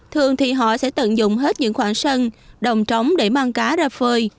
thường thì họ sẽ tận dụng hết những khoảng sân đồng trống để mang cá ra phơi